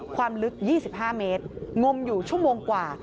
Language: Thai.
ความลึก๒๕เมตรงมอยู่ชั่วโมงกว่า